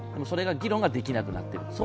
それが議論ができなくなっている。